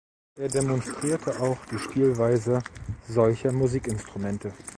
Er demonstrierte auch die Spielweise solcher Musikinstrumente.